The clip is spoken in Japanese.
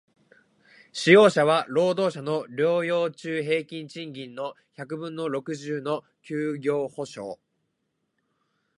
使用者は、労働者の療養中平均賃金の百分の六十の休業補償